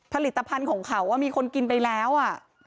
ผลิตภัณฑ์ของเขามีคนกินไปแล้วอ่ะ